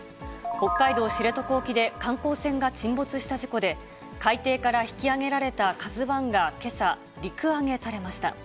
北海道知床沖で観光船が沈没した事故で、海底から引き揚げられたＫＡＺＵＩが、けさ、陸揚げされました。